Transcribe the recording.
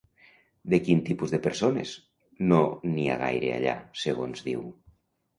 De quin tipus de persones no n'hi ha gaire allà, segons diu?